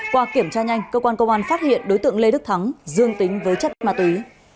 qua kiểm tra nhanh cơ quan công an phát hiện đối tượng lê đức thắng dương tính với chất ma túy